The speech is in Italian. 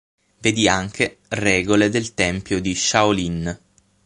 Vedi anche: Regole del Tempio di Shaolin.